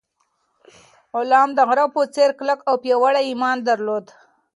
غلام د غره په څېر کلک او پیاوړی ایمان درلود.